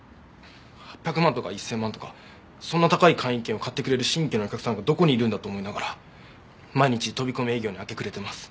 ８００万とか１０００万とかそんな高い会員権を買ってくれる新規のお客さんがどこにいるんだと思いながら毎日飛び込み営業に明け暮れてます。